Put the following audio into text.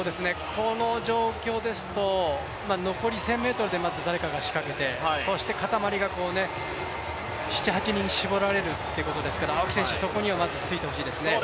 この状況ですと、残り１０００ｍで誰かがまず仕掛けてそして固まりが７８人に絞られるということですから青木選手、そこにはまだついてほしいですね。